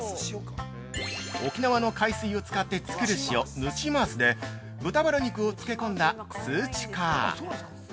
◆沖縄の海水を使って作る塩「ぬちまーす」で豚バラ肉を漬け込んだ「すーちかー」。